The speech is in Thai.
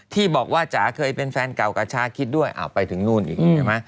ที่บอกว่าจ๋าเคยเป็นแฟนเก่ากับช้าคิดด้วยอ้าวไปถึงนู้นอีก